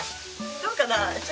どうかな？